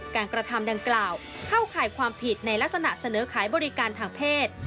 กระทำดังกล่าวเข้าข่ายความผิดในลักษณะเสนอขายบริการทางเพศ